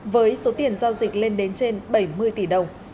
với số tiền giao dịch lên đến trên bảy mươi tỷ đồng